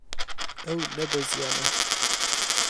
Ew nebeziyane.